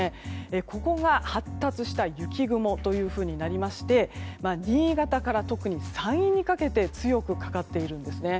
ここが発達した雪雲となりまして新潟から特に山陰にかけて強くかかっているんですね。